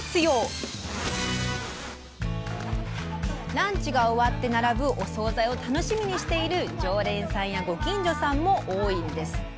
ランチが終わって並ぶお総菜を楽しみにしている常連さんやご近所さんも多いんですって。